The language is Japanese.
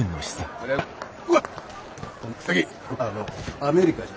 ここはのアメリカじゃ。